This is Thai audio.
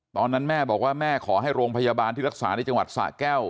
ตอนนั้นแม่บอกว่าแม่ขอให้โรงพยาบาลที่รักษาในจังหวัดสะแก้ว